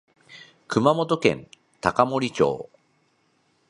熊本県高森町